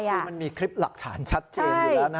คือมันมีคลิปหลักฐานชัดเจนอยู่แล้วนะ